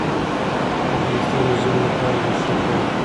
افغانستان د ژمی لپاره مشهور دی.